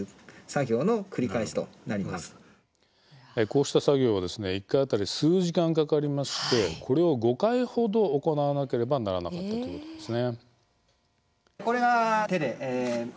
こうした作業は１回当たり数時間かかりましてこれを５回程行わなければならなかったということです。